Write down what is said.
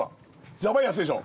やばいやつでしょ